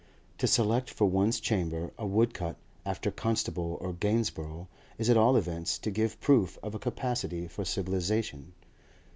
To select for one's chamber a woodcut after Constable or Gainsborough is at all events to give proof of a capacity for civilisation.